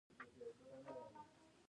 د ساه لنډۍ لپاره باید څه شی وکاروم؟